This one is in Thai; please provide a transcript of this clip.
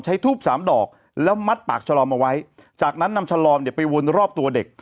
ทูบสามดอกแล้วมัดปากชะลอมเอาไว้จากนั้นนำฉลอมเนี่ยไปวนรอบตัวเด็ก